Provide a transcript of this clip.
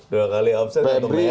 dua kali offset jadi merah